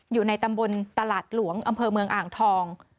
อยู่ในตำบลตลาดหลวงอำเภอเมืองอ่างทอง